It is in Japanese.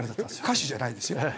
歌手じゃないですよ。